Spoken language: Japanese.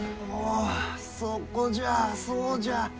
おそこじゃそうじゃ。